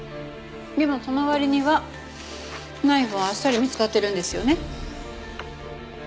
でもその割にはナイフはあっさり見つかってるんですよね。